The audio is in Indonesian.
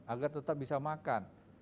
agar tetap bisa makan